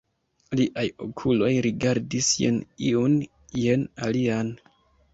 Liaj okuloj rigardis jen iun, jen alian.